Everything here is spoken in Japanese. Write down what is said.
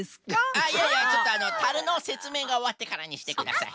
あいやいやちょっとあのたるのせつめいがおわってからにしてください。